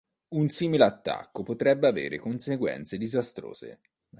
Un simile attacco potrebbe avere conseguenze disastrose.